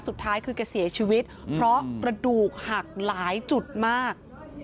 สุดท้ายคือแกเสียชีวิตเพราะกระดูกหักหลายจุดมาก